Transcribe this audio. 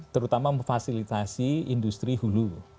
terutama memfasilitasi industri hulu